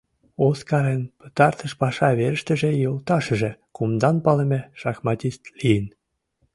Оскарын пытартыш паша верыштыже йолташыже кумдан палыме шахматист лийын.